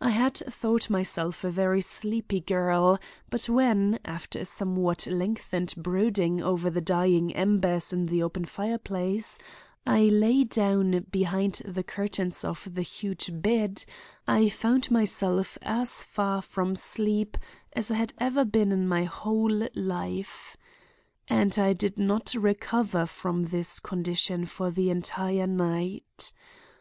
"I had thought myself a very sleepy girl, but when, after a somewhat lengthened brooding over the dying embers in the open fireplace, I lay down behind the curtains of the huge bed, I found myself as far from sleep as I had ever been in my whole life. "And I did not recover from this condition for the entire night.